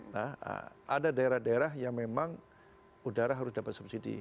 nah ada daerah daerah yang memang udara harus dapat subsidi